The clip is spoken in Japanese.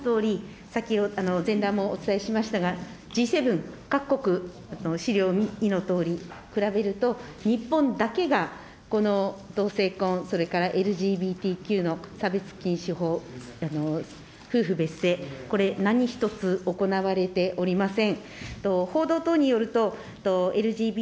さっき、前段もお伝えしましたが、Ｇ７各国の資料のとおり、比べると、日本だけがこの同性婚、それからＬＧＢＴＱの差別禁止法、夫婦別姓、これ、何一つ行われておりません。